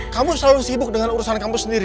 kamu selalu sibuk dengan urusan kamu sendiri